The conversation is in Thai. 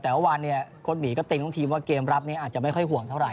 แต่ว่าวันเนี่ยโค้ดหมีก็ติ้งทุกทีมว่าเกมรับนี้อาจจะไม่ค่อยห่วงเท่าไห